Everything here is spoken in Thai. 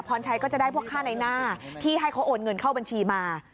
พรชัยก็จะได้พวกค่าในหน้าที่ให้เขาโอนเงินเข้าบัญชีมา